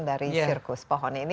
dari sirkus pohon ini